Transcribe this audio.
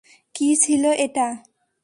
কী ছিলো এটা!